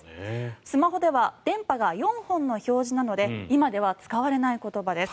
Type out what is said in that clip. スマホでは電波が４本の表示なので今では使われない言葉です。